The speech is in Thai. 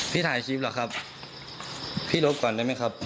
ถ่ายคลิปเหรอครับพี่ลบก่อนได้ไหมครับ